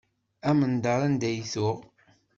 Amendeṛ anda i tuɣ.